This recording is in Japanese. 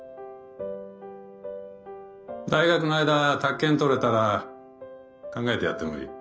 大学の間宅建取れたら考えてやってもいい。